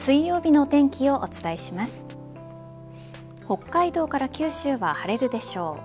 北海道から九州は晴れるでしょう。